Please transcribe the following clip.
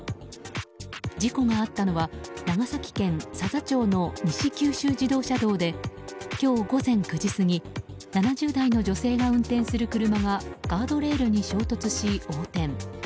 事故があったのは長崎県佐々町の西九州自動車道で今日午前９時過ぎ７０代の女性が運転する車がガードレールに衝突し横転。